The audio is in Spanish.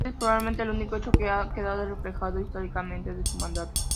Este es probablemente el único hecho que ha quedado reflejado históricamente de su mandato.